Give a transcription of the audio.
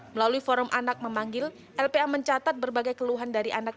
melalui forum anak memanggil lpa mencatat berbagai keluhan dari anak